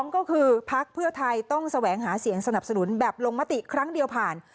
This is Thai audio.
ก็คือพักเพื่อไทยต้องแสวงหาเสียงสนับสนุนแบบลงมติครั้งเดียวผ่าน